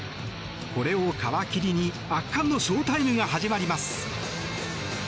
これを皮切りに圧巻のショータイムが始まります。